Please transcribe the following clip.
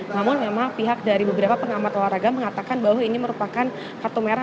namun memang pihak dari beberapa pengamat olahraga mengatakan bahwa ini merupakan kartu merah